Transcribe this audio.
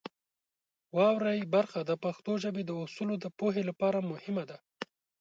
واورئ برخه د پښتو ژبې د اصولو د پوهې لپاره مهمه ده.